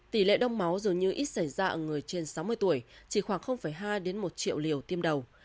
tỷ lệ đông máu dường như ít xảy ra ở người trên sáu mươi tuổi chỉ khoảng hai một triệu liều tiêm đầu